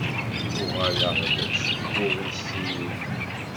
Uɣaleɣ-d seg uɣisiṉni.